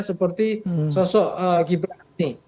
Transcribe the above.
seperti sosok gibran ini